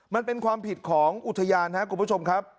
มันเป็นความผิดของอุทยานครับคุณผู้ชมครับ